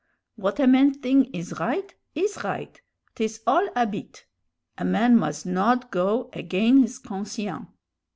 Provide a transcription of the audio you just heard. What a man thing is right, is right; 'tis all 'abit. A man muz nod go again' his conscien'.